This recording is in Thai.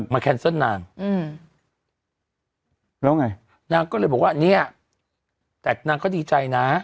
แคนเซิลนางอืมแล้วไงนางก็เลยบอกว่าเนี่ยแต่นางก็ดีใจนะ